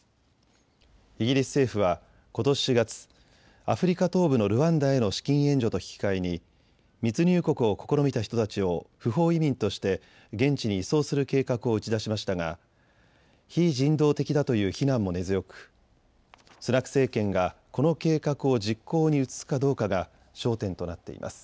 イギリス政府はことし４月、アフリカ東部のルワンダへの資金援助と引き換えに密入国を試みた人たちを不法移民として現地に移送する計画を打ち出しましたが非人道的だという非難も根強くスナク政権がこの計画を実行に移すかどうかが焦点となっています。